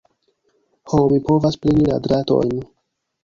Ho, mi povas preni la dratojn!